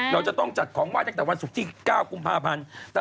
เราจะต้องจัดของไห้ตั้งแต่วันศุกร์ที่๙กุมภาพันธ์